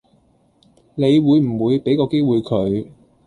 你會唔會比個機會佢